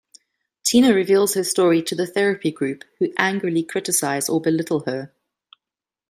Tina reveals her story to her therapy group, who angrily criticize or belittle her.